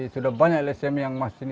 sudah banyak lsm yang masih